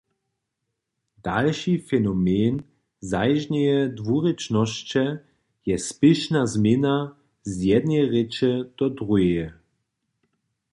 Dalši fenomen zažneje dwurěčnosće je spěšna změna z jedneje rěče do druheje.